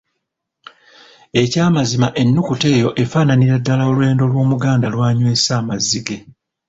Ekyamazima ennukuta eyo efaananira ddala olw’endo lw’Omuganda lw’anywesa amazzi ge.